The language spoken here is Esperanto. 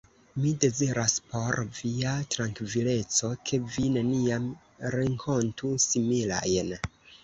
Mi deziras, por via trankvileco, ke vi neniam renkontu similajn.